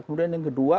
kemudian yang kedua